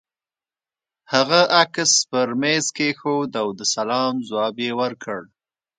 هغه عکس پر مېز کېښود او د سلام ځواب يې ورکړ.